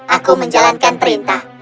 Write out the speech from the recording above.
aku menjalankan perintah